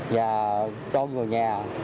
và cho người nhà